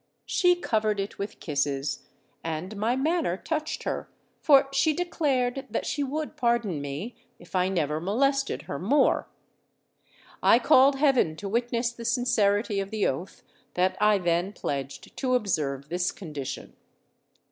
She covered it with kisses; and my manner touched her—for she declared that she would pardon me, if I never molested her more. I called heaven to witness the sincerity of the oath that I then pledged to observe this condition.